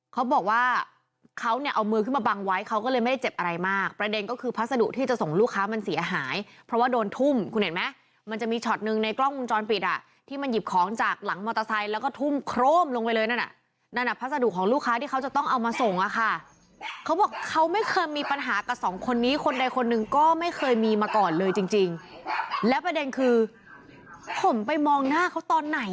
เขาบอกว่าเขาเนี่ยเอามือขึ้นมาบังไว้เขาก็เลยไม่เจ็บอะไรมากประเด็นก็คือพัสดุที่จะส่งลูกค้ามันเสียหายเพราะว่าโดนทุ่มคุณเห็นไหมมันจะมีช็อตนึงในกล้องมุมจรปิดอ่ะที่มันหยิบของจากหลังมอเตอร์ไซค์แล้วก็ทุ่มโครมลงไปเลยนั่นอ่ะนั่นอ่ะพัสดุของลูกค้าที่เขาจะต้องเอามาส่งอ่ะค่ะเขาบอกเขา